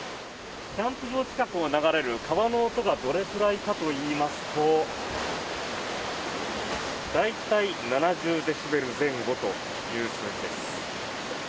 キャンプ場近くを流れる川の音がどれくらいかといいますと大体、７０デシベル前後という数値です。